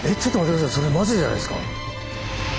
それまずいじゃないですか。